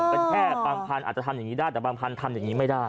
เป็นแค่บางพันธุ์อาจจะทำอย่างนี้ได้แต่บางพันธุ์ทำอย่างนี้ไม่ได้